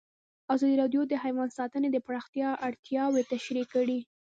ازادي راډیو د حیوان ساتنه د پراختیا اړتیاوې تشریح کړي.